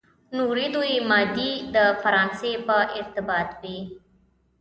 نوري دوې مادې د فرانسې په ارتباط وې.